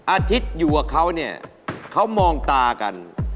อาทิตย์อยู่กับเขาเนี่ยเขามองตากัน